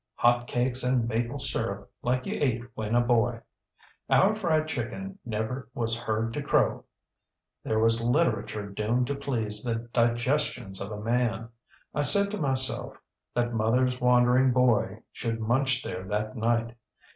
ŌĆÖ ŌĆśHot Cakes and Maple Syrup Like You Ate When a Boy, ŌĆÖ ŌĆśOur Fried Chicken Never Was Heard to CrowŌĆÖŌĆö there was literature doomed to please the digestions of man! I said to myself that motherŌĆÖs wandering boy should munch there that night.